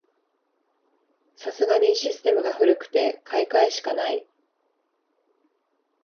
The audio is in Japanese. さすがにシステムが古くて買い替えしかない